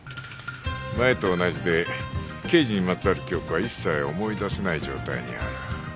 前と同じで刑事にまつわる記憶は一切思い出せない状態にある。